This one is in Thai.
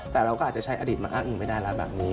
แต่เราก็อาจจะใช้อดีตมาอ้างอิงไม่ได้แล้วแบบนี้